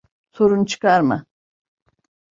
Sorun çıkarma.